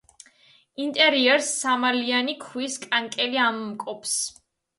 ინტერიერს სამმალიანი ქვის კანკელი ამკობს.